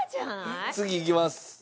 次いきます。